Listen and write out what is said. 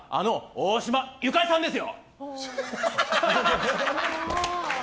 大島由香里さんですよ！